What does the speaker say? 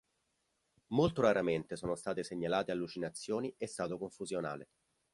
Molto raramente sono state segnalate allucinazioni e stato confusionale.